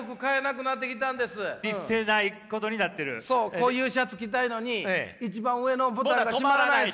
こういうシャツ着たいのに一番上のボタンが留まらない。